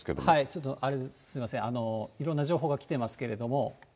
ちょっとすみません、いろんな情報が来てますけれども。